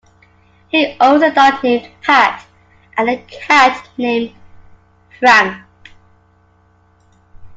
He owns a dog named Pat and a cat named Frank.